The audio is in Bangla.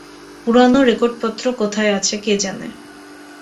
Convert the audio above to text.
পুরানো রেকর্ডপত্র কোথায় আছে কে জানে।